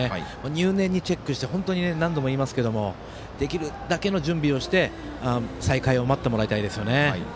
入念にチェックして何度も言いますができるだけの準備をして再開を待ってもらいたいですよね。